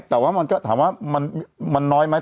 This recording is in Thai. แต่ว่าถามว่ามันน้อยไหม